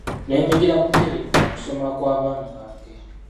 Neenyigira butereevu mu kusoma kw'abaana bange.